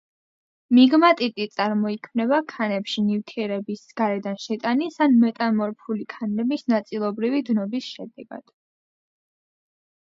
მიგმატიტი წარმოიქმნება ქანებში ნივთიერების გარედან შეტანის ან მეტამორფული ქანების ნაწილობრივი დნობის შედეგად.